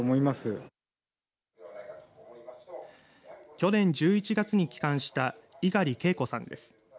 去年１１月に帰還した猪狩敬子さんです。